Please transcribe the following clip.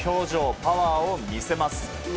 パワーを見せます。